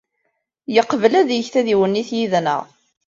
Yeqbel ad yeg tadiwennit yid-neɣ.